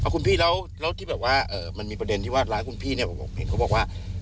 คุณพี่แล้วที่แบบว่ามันมีประเด็นที่ว่าร้านคุณพี่เนี่ยเห็นเขาบอกว่า